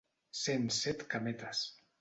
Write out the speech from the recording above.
Ser en Set-cametes.